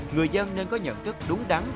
người dân nên có nhận thức đúng đắn